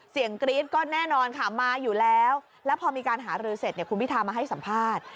กรี๊ดก็แน่นอนค่ะมาอยู่แล้วแล้วพอมีการหารือเสร็จเนี่ยคุณพิธามาให้สัมภาษณ์